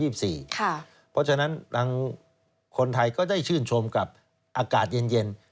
เพราะฉะนั้นคนไทยก็ได้ชื่นชมกับอากาศเย็น